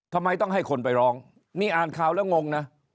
ทำไมต้องให้คนไปร้องนี่อ่านข่าวแล้วงงนะ